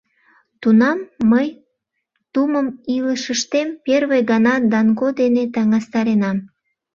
Тунам мый тумым илышыштем первый гана Данко дене таҥастаренам.